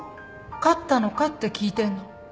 勝ったのかって聞いてんの。